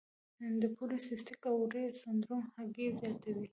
د پولی سیسټک اووری سنډروم هګۍ زیاتوي.